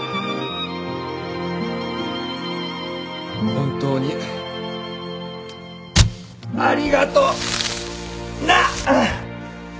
本当にありがとな！